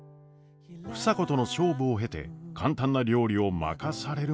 房子との勝負を経て簡単な料理を任されるまでになった暢子。